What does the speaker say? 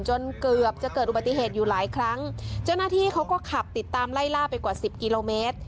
จนเกือบจะเกิดอุบัติเหตุอยู่หลายครั้งเจ้าหน้าที่เขาก็ขับติดตามไล่ล่าไปกว่าสิบกิโลเมตร